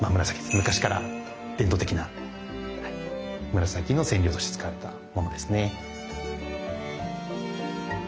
昔から伝統的な紫の染料として使われたものですね。